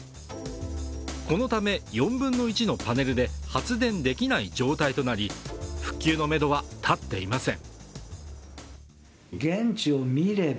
このため、４分の１のパネルで、発電できない状態となり復旧のめどは立っていません。